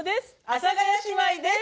阿佐ヶ谷姉妹です。